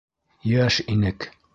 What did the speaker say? Йәш инек...